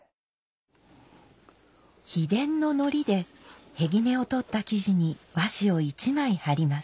秘伝の糊で片木目を取った木地に和紙を１枚貼ります。